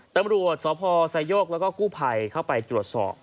ตำรวจสพไซโยกแล้วก็กู้ภัยเข้าไปตรวจสอบ